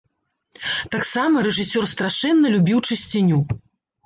Таксама рэжысёр страшэнна любіў чысціню.